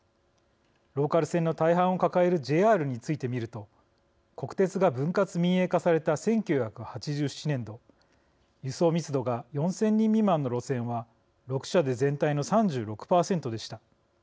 ローカル線の大半を抱えるＪＲについて見ると国鉄が分割民営化された１９８７年度輸送密度が４０００人未満の路線は６社で全体の３６％でした。